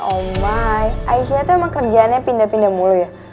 oh my aisyah itu emang kerjaannya pindah pindah mulu ya